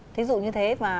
thí dụ như thế